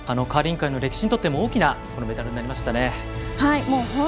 カーリング界の歴史にとっても大きなメダルになりましたね。